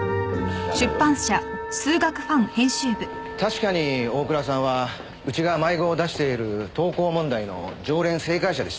確かに大倉さんはうちが毎号出している投稿問題の常連正解者でした。